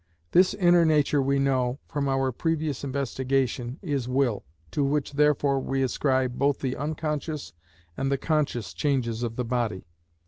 This inner nature we know, from our previous investigation, is will, to which therefore we ascribe both the unconscious and the conscious changes of the body.